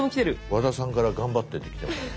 和田さんから「頑張って」って来てます。